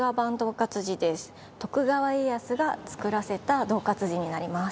徳川家康が作らせた銅活字になります。